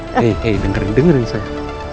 bu eh eh dengerin dengerin saya